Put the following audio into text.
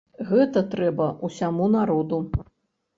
Гэта трэба ўсяму народу.